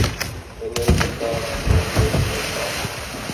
انہیں زندہ رکھنے کے لیے کافی تھا